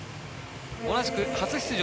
同じく初出場